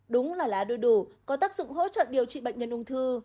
đúng là lá đu đủ có tác dụng hỗ trợ điều trị bệnh nhân ung thư